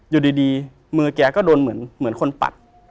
อยู่ดีมือแกก็โดนเหมือนคนปัด